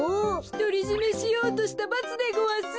ひとりじめしようとしたばつでごわす。